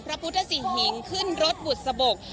พระพุทธศรีหิงขึ้นรถบุษบก